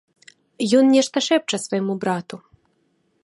Ён нешта шэпча свайму брату.